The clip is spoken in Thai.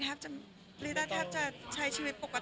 แต่ไม่ตกใจใช่ไหมครับ